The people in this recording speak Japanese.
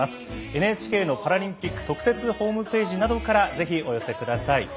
ＮＨＫのパラリンピック特設ホームページなどからぜひお寄せください。